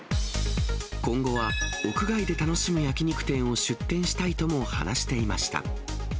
今後は屋外で楽しむ焼き肉店を出店したいとも話していました。